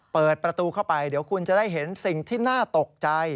เปิดประตูเข้าไปเดี๋ยวคุณจะได้เห็นสิ่งที่น่าตกใจ